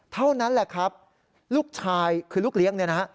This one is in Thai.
เท่านั้นแหละครับลูกชายคือลูกเลี้ยงเนี่ยนะฮะ